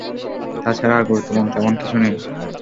তাছাড়া, আর গুরুত্বপূর্ণ তেমন কিছু নেই।